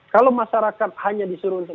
kalau masyarakat hanya disuruh